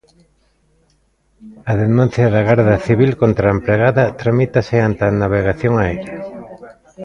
A denuncia da Garda Civil contra a empregada tramítase ante Navegación Aérea.